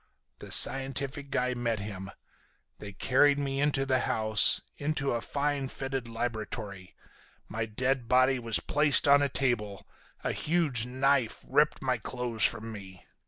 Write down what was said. The scientific guy met him. They carried me into the house, into a fine fitted laboratory. My dead body was placed on a table, a huge knife ripped my clothes from me.